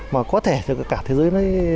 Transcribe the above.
mà có thể cho cả thế giới